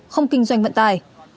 không kinh doanh vận tải